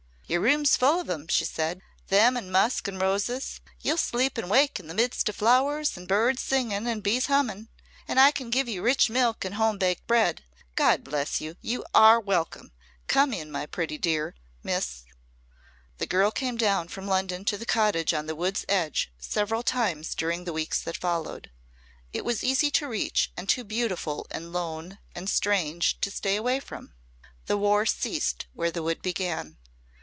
"Your room's full of 'em," she said, "them and musk and roses. You'll sleep and wake in the midst of flowers and birds singing and bees humming. And I can give you rich milk and home baked bread, God bless you! You are welcome. Come in, my pretty dear Miss." The girl came down from London to the cottage on the wood's edge several times during the weeks that followed. It was easy to reach and too beautiful and lone and strange to stay away from. The War ceased where the wood began.